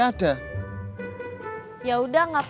kaulah aku naikin liz